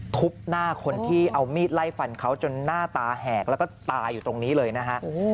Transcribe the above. ทุบหน้าคนที่เอามีดไล่ฟันเขาจนหน้าตาแหกแล้วก็ตายอยู่ตรงนี้เลยนะฮะ